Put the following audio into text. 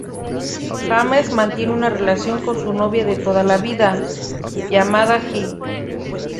James mantiene una relación con su novia de toda la vida, llamada Gill.